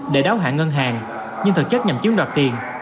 để đáo hạng ngân hàng nhưng thực chất nhằm chiếm đoạt tiền